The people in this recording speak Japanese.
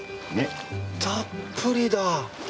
たっぷりだ。